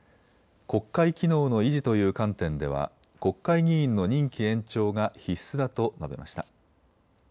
国会機能の維持という観点では国会議員の任期延長が必須だと述べました。